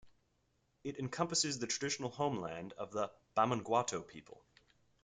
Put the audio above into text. It encompasses the traditional homeland of the Bamangwato people.